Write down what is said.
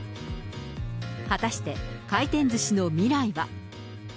果たして回転ずしの未来は。